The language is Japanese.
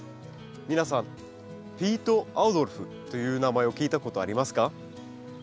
皆さんピート・アウドルフという名前を聞いたことありますか？